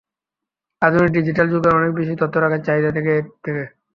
আধুনিক ডিজিটাল যুগের অনেক বেশি তথ্য রাখার চাহিদা থেকে এর সৃষ্টি।